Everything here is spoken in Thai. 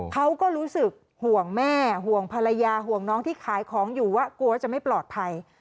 เขาก็รู้สึกห่วงแม่ห่วงภรรยาห่วงน้องที่ขายของอยู่ว่ากลัวจะไม่ปลอดภัย